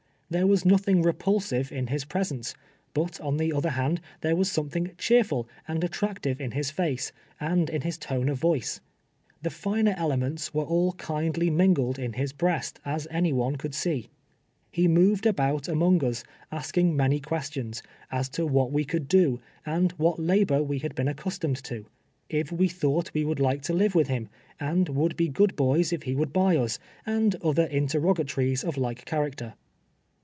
Tliere was nothing repulsive in his presence ; but on the other hand, tliere was some thing cheerful and attractive in his face, and in his tone of voice. Tiie finer elements were all kindly mingled in his breast, as any one could see. lie mt>ved about among us, asking many questions, as to what we could do, and what labor we had been ac customed to ; if we thought we would like to live with him, and would be good boys if he would buy us, and other interrogatories of like character.